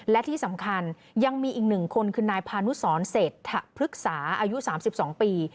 และที่สำคัญยังมีอีก๑คนคือนายพานุสรเศรษฐพฤกษาอายุ๓๒ปี